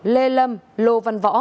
lê lâm lô văn võ